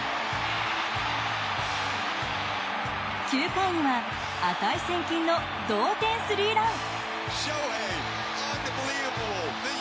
９回には値千金の同点スリーラン。